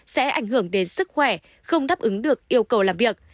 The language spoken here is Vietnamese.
sẽ ảnh hưởng đến sức khỏe không đáp ứng được yêu cầu làm việc